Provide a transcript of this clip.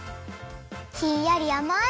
ひんやりあまい！